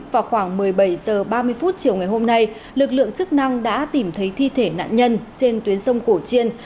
vào khoảng một mươi bảy h ba mươi chiều ngày hôm nay lực lượng chức năng đã tìm thấy thi thể nạn nhân trên tuyến sông cổ chiên